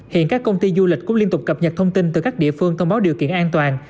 hiện các công ty du lịch cũng liên tục cập nhật thông tin từ các địa phương thông báo điều kiện an toàn